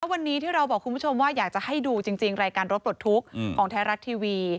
วันนี้ที่เราบอกคุณผู้ชมว่าอยากจะให้ดูจริงรายการรถปลดทุกข์ของไทยรัฐทีวี